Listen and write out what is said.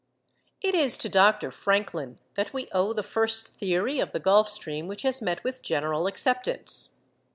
It is to Dr. Franklin that we owe the first theory of the Gulf Stream which has met with general acceptance.